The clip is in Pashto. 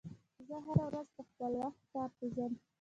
زه هره ورځ په خپل وخت کار ته ځم.